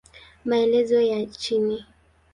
Maelezo ya chini